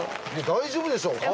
大丈夫でしょ。